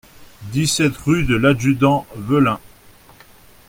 dix-sept rue de l'Adjudant Velin